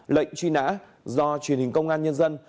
lệnh truy nã do truyền hình công an nhân dân